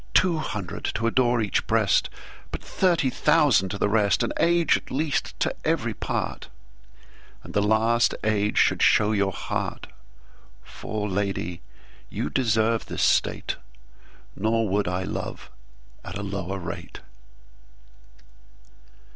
Two hundred to adore each Breast:But thirty thousand to the rest. An Age at least to every part, And the last Age should show your Heart.For Lady you deserve this State; Nor would I love at lower rate.